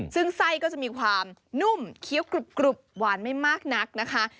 ซึ่งไส้ก็จะมีความนุ่มเคี้ยวกรุบหวานไม่มากนักนะคะ